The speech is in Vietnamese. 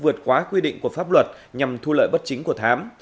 vượt quá quy định của pháp luật nhằm thu lợi bất chính của thám